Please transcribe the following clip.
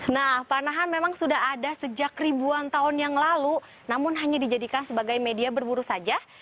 nah panahan memang sudah ada sejak ribuan tahun yang lalu namun hanya dijadikan sebagai media berburu saja